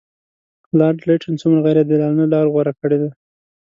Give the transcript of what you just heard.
لارډ لیټن څومره غیر عادلانه لار غوره کړې ده.